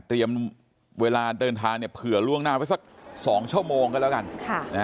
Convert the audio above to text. เตรียมเวลาเดินทางเผื่อล่วงหน้าไปสัก๒ชั่วโมงกันแล้วกัน